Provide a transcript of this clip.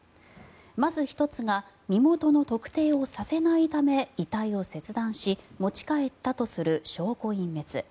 まず１つが身元の特定をさせないため遺体を切断し持ち帰ったとする証拠隠滅。